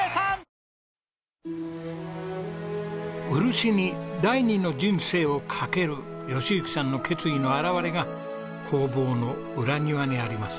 漆に第二の人生を懸ける喜行さんの決意の表れが工房の裏庭にあります。